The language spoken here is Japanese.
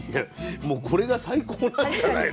もうこれが最高なんじゃないの？